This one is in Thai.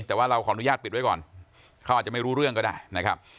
แต่ว่าเราขออนุญาตปิดไว้ก่อนเขาอาจจะไม่รู้เรื่องก็ได้นะครับ